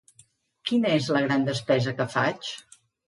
Quina és la gran despesa que faig?